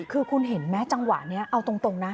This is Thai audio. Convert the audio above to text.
คือคุณเห็นไหมจังหวะนี้เอาตรงนะ